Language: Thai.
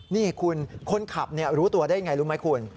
นี่คุณคนขับรู้ตัวได้อย่างไรรู้ไหมคุณ